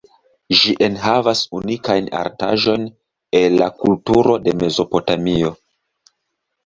Ĝi enhavas unikajn artaĵojn el la kulturo de Mezopotamio.